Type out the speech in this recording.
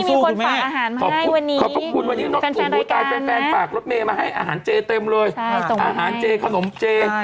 สู้ครูแม่ขอบคุณคุณคุณคุณคุณฝากรถเมย์มาให้อาหารเจเต็มเลยอาหารเจขนมเจ